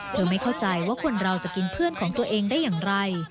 ไม่เข้าใจว่าคนเราจะกินเพื่อนของตัวเองได้อย่างไร